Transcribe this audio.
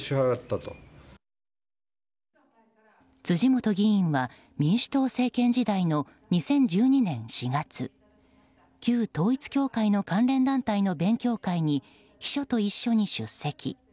辻元議員は民主党政権時代の２０１２年４月旧統一教会の関連団体の勉強会に秘書と一緒に出席。